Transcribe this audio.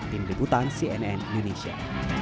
tim diputan cnn indonesia